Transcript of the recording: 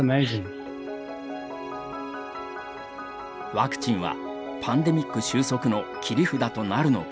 ワクチンはパンデミック収束の切り札となるのか。